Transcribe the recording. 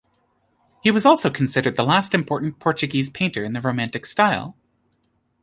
He was also considered the last important Portuguese painter in the Romantic style.